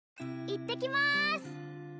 行ってきまーす